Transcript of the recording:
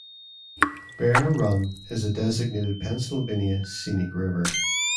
Bear Run is a designated Pennsylvania Scenic River.